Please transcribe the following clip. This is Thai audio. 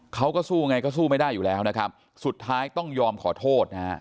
เขาก็สู้ไงก็สู้ไม่ได้อยู่แล้วนะครับสุดท้ายต้องยอมขอโทษนะฮะ